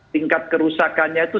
tingkat kerusakannya itu